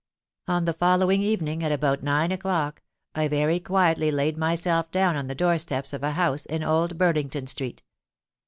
"On the following evening, at about nine o'clock, I very quietly laid myself down on the door steps of a house in Old Burlington Street.